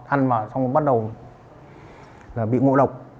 ăn vào xong bắt đầu là bị ngộ độc